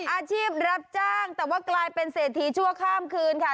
อาชีพรับจ้างแต่ว่ากลายเป็นเศรษฐีชั่วข้ามคืนค่ะ